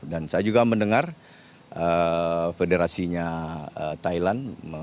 dan saya juga mendengar federasinya thailand